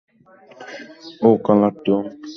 Oh, caller tune?